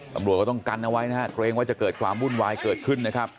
ตำรวจก็ต้องกันเอาไว้นะครับเกรงว่าจะเกิดความวุ่นวายเกิดขึ้นนะครับ